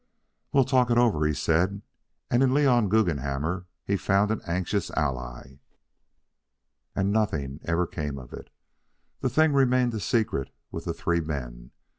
"We'll talk it over," he said; and in Leon Guggenhammer he found an anxious ally. And nothing ever came of it. The thing remained a secret with the three men.